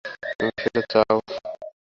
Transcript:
তুমি কি সেটা চাও?